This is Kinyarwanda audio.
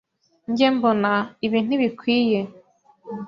Njye mbona, ibi ntibikwiye.